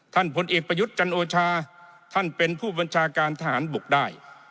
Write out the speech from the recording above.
ผลเอกประยุทธ์จันโอชาท่านเป็นผู้บัญชาการทหารบกได้